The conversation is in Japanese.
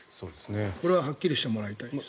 これははっきりしてもらいたいです。